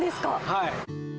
はい。